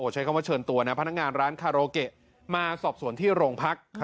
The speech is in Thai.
ใช้คำว่าเชิญตัวนะพนักงานร้านคาโรเกะมาสอบสวนที่โรงพัก